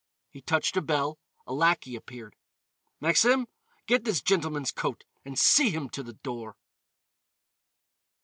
He touched a bell; a lackey appeared. "Maxime, get this gentleman's coat and see him to the door."